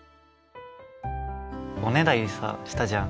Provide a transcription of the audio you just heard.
おねだりさしたじゃん。